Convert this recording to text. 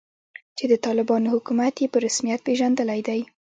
چې د طالبانو حکومت یې په رسمیت پیژندلی دی